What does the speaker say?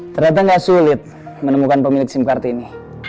ternyata nggak sulit menemukan pemilik sim card ini